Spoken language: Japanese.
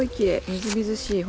みずみずしい。